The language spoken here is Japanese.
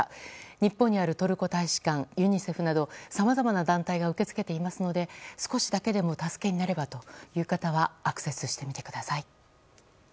日本にあるトルコ大使館ユニセフなどさまざまな団体が受け付けていますので少しだけでも助けになればという方はアクセスしてみてください。